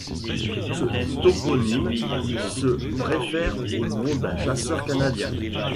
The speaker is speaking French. Ce toponyme se réfère au nom d'un chasseur canadien.